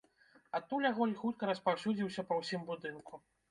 Адтуль агонь хутка распаўсюдзіўся па ўсім будынку.